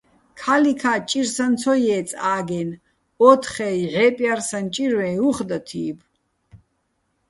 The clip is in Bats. ქა́ლიქა́ ჭირსაჼ ცო ჲე́წე̆ აგენ, ოთხე ჲჵე́პჲარსაჼ ჭირვე́ჼ უ̂ხ და თი́ბო̆.